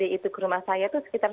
itu ke rumah saya itu sekitar